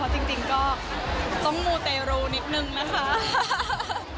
จริงก็ต้องมูเตรูนิดนึงนะคะ